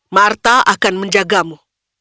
martha akan menjagamu